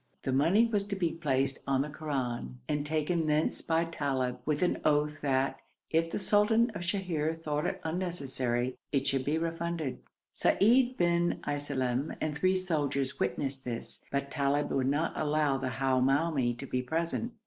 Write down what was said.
The money was to be placed on the Koran and taken thence by Talib, with an oath that, if the sultan of Sheher thought it unnecessary, it should be refunded. Seid bin Iselem and three soldiers witnessed this, but Talib would not allow the Hamoumi to be present.